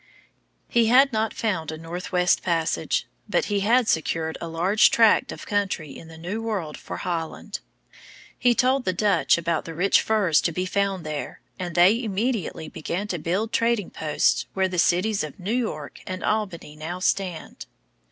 He had not found a northwest passage, but he had secured a large tract of country in the New World for Holland. He told the Dutch about the rich furs to be found there, and they immediately began to build trading posts where the cities of New York and Albany now stand.